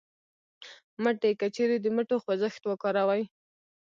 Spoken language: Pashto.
مټې : که چېرې د مټو خوځښت وکاروئ